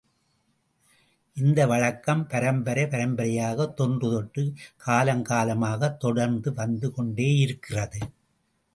இந்த வழக்கம் பரம்பரை பரம்பரையாகத் தொன்றுதொட்டு காலங்காலமாக தொடர்ந்து வந்து கொண்டேயிருக்கிறது.